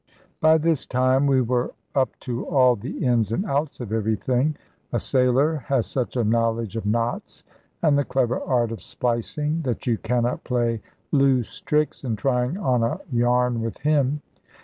By this time we were up to all the ins and outs of everything. A sailor has such a knowledge of knots, and the clever art of splicing, that you cannot play loose tricks, in trying on a yarn with him.